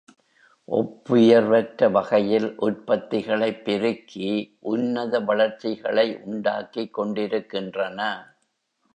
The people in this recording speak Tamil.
ஒப்புயர்வற்ற வகையில் உற்பத்திகளைப் பெருக்கி உன்னத வளர்ச்சிகளை உண்டாக்கிக் கொண்டிருக்கின்றன.